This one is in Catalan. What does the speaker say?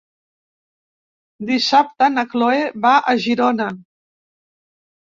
Dissabte na Cloè va a Girona.